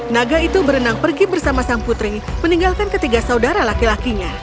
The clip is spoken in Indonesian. naga itu berenang pergi bersama sang putri meninggalkan ketiga saudara laki lakinya